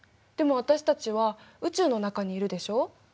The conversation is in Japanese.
でも私たちは宇宙の中にいるでしょ。